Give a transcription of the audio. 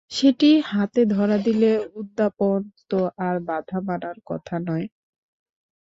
সেটি হাতে ধরা দিলে উদ্যাপন তো আর বাধা মানার কথা নয়।